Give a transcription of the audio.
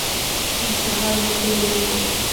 موږ سهار له کوره وځو.